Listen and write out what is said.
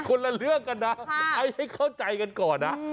คนละเรื่องกันนะให้เข้าใจกันก่อนนะ